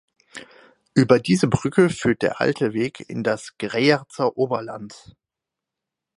Über diese Brücke führt der alte Weg in das Greyerzer Oberland.